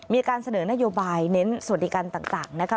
มีการเสนอนโยบายเน้นสวัสดิการต่างนะคะ